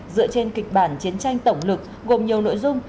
dựa trên kịch bản chiến tranh tổng lực gồm nhiều nội dung